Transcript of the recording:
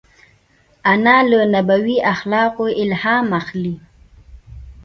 انا له نبوي اخلاقو الهام اخلي